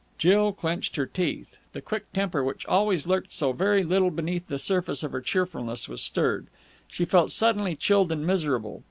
Jill clenched her teeth. The quick temper which always lurked so very little beneath the surface of her cheerfulness was stirred. She felt suddenly chilled and miserable.